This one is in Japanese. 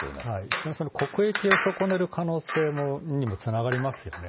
非常に国益を損ねる可能性にもつながりますよね。